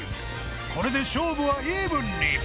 これで勝負はイーブンに。